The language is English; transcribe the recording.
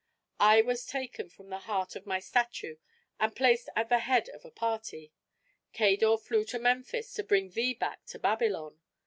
I was taken from the heart of my statue and placed at the head of a party. Cador flew to Memphis to bring thee back to Babylon.